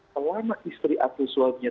selama istri atau suaminya